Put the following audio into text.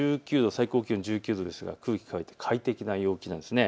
最高気温１９度ですが空気乾いて快適な陽気なんです。